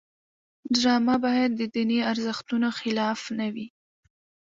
ډرامه باید د دیني ارزښتونو خلاف نه وي